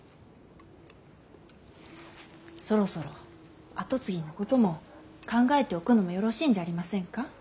そろそろ跡継ぎのことも考えておくのもよろしいんじゃありませんか。